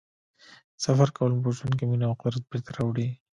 سفر کول مو په ژوند کې مینه او قدرت بېرته راوړي.